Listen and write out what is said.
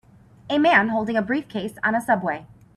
A man holding a briefcase on a subway.